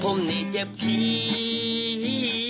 ผมนี่เจ็บที